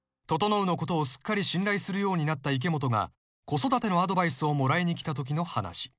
［整のことをすっかり信頼するようになった池本が子育てのアドバイスをもらいに来たときの話］